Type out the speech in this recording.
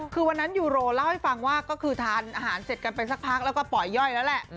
คือวันนั้นยูโรเล่าให้ฟังว่าก็คือทานอาหารเสร็จกันไปสักพักแล้วก็ปล่อยย่อยแล้วแหละ